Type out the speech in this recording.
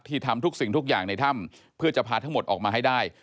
ทำทุกสิ่งทุกอย่างในถ้ำเพื่อจะพาทั้งหมดออกมาให้ได้